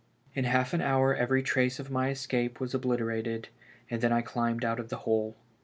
In half an hour every trace of my escape was obliterated, and then I climbed out of the hole.